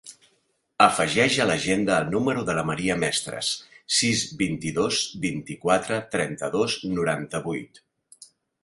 Afegeix a l'agenda el número de la Maria Mestres: sis, vint-i-dos, vint-i-quatre, trenta-dos, noranta-vuit.